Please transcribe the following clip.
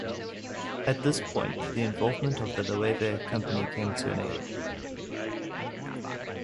At this point the involvement of the Loewe company came to an end.